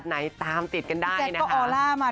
อ๋อหมายถึงธุรกิจใช่ไหมคะ